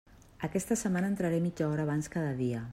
Aquesta setmana entraré mitja hora abans cada dia.